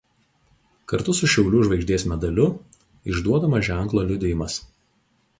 Kartu su Šaulių žvaigždės medaliu išduodamas ženklo liudijimas.